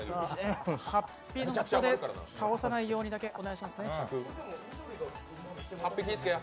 はっぴの袖で倒さないようにだけお願いしますよ。